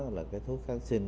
là cái thuốc kháng sinh